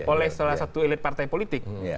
oleh salah satu elit partai politik